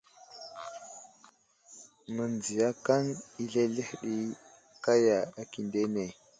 Mənziyakaŋ i zləhəzləhe ɗi kaya akindene.